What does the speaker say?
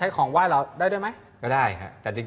เล็กเล็กเล็กเล็กเล็กเล็ก